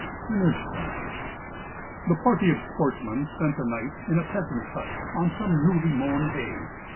ZINOTCHKA THE party of sportsmen spent the night in a peasant's hut on some newly mown hay.